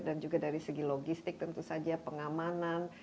dan juga dari segi logistik tentu saja pengamanan